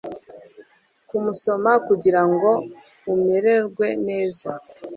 Kumusoma kugirango umererwe neza